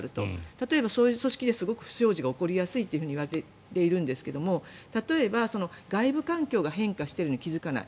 例えばそういう組織ですごく不祥事が起こりやすいといわれているんですが例えば外部環境が変化しているのに気付かない。